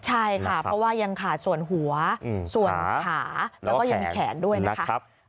ใช่ค่ะเพราะว่ายังขาดส่วนหัวส่วนขาแล้วก็ยังมีแขนด้วยนะคะ